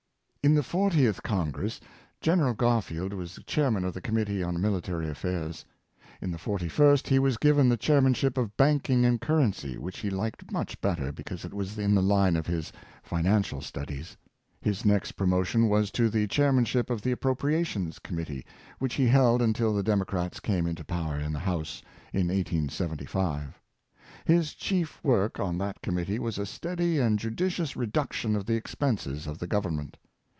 In the fortieth Congress Gen. Garfield was chairman of the Committee on Military Affairs. In the forty first he was given the chairmanship of Banking and Currency, which he liked much better, because it was in the line of his financial studies. His next promotion was to the chairmanship of the Appropriation Commit tee, which he held until the Democrats came into power in the House in 1875. His chief work on that com mittee was a. steady and judicious reduction of the expenses of the Government.